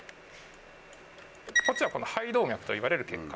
こっちは肺動脈といわれる血管。